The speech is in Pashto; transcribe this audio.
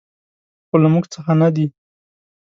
خو له موږ څخه نه دي .